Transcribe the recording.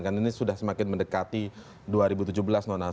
karena ini sudah semakin mendekati dua ribu tujuh belas nona